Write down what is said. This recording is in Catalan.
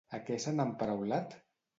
A què s'han emparaulat?